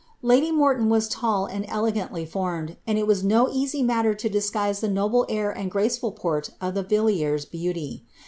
^ Lady Morton lU and digantly formed, and it was no easy matter to disguise the air and gncefnl port of the Villiers beauty.